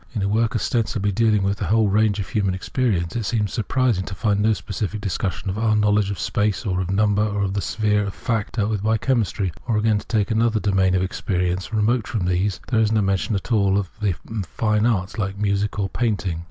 In a work ostensibly dealing with the whole range of human experience, it seems surprising to find no specific discussion of our knowledge of space or of number, or of the sphere of lact dealt with by chemistry ; or again, to take another domain of experience remote from these, there is no mention at all of important fine arts, like music or painting.